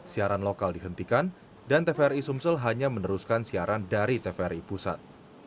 siaran lokal dihentikan dan tvri sumsel hanya meneruskan siaran dari tvri pusat